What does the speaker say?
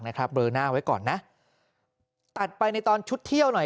เบลอหน้าไว้ก่อนนะตัดไปในตอนชุดเที่ยวหน่อย